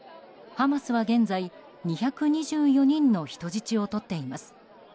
ハマスは現在２２４人の人質をとっています。